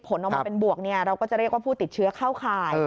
ผลออกมาเป็นบวกเราก็จะเรียกว่าผู้ติดเชื้อเข้าข่าย